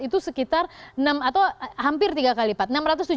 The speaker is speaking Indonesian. itu sekitar enam atau hampir tiga kali lipat